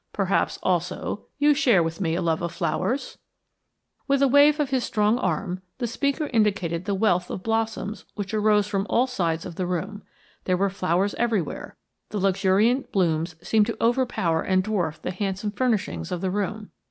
Perhaps, also, you share with me a love of flowers?" With a wave of his strong arm, the speaker indicated the wealth of blossoms which arose from all sides of the room. There were flowers everywhere. The luxuriant blooms seemed to overpower and dwarf the handsome furnishings of the room.